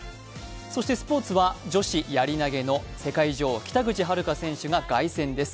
そしてスポーツは女子やり投げの世界女王、北口榛花選手が凱旋です。